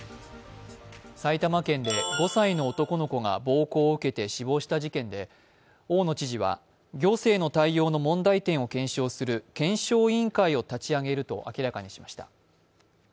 埼玉県で５歳の男の子が暴行を受けて死亡した事件で、大野知事は行政の対応の問題点を検証する検証委員会を立ち上げると明らかにしました。